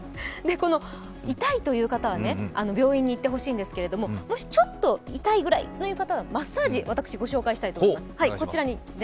痛いという方は病院に行ってもらいたいんですけどもし、ちょっと痛いぐらいの方にはマッサージを私、ご紹介したいと思います。